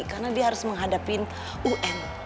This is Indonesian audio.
karena dia harus menghadapin un